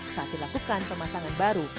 saat dilakukan pemasangan baru